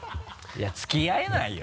いや付き合えないよ。